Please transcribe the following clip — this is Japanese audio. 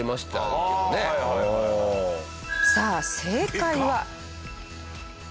さあ正解は。